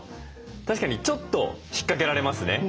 確かにちょっと引っかけられますね。